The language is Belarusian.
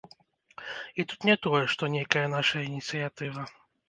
І тут не тое, што нейкая нашая ініцыятыва.